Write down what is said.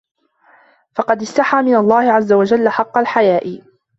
فَقَدْ اسْتَحَى مِنْ اللَّهِ عَزَّ وَجَلَّ حَقَّ الْحَيَاءِ